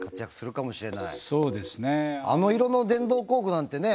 あの色の電動工具なんてね